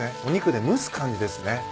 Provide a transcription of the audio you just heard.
お肉で蒸す感じですね。